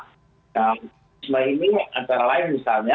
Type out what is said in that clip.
nah ini antara lain misalnya